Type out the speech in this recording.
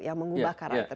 yang mengubah karakter